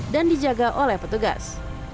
dan dijaga oleh petugas